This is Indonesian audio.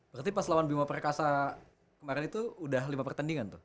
berarti pas lawan bima perkasa kemarin itu udah lima pertandingan tuh